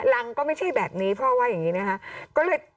รังก็ไม่ใช่แบบนี้พ่อว่าอย่างนี้นะคะ